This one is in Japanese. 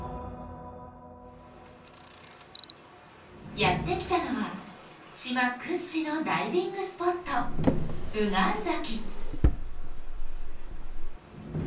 やって来たのは島屈指のダイビングスポット御神崎。